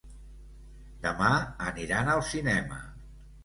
Demà aniran al cinema.